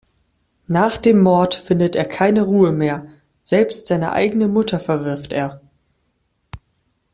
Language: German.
Nach dem Mord findet er keine Ruhe mehr, selbst seine eigene Mutter verwirft er.